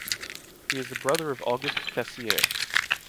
He is the brother of August Tessier.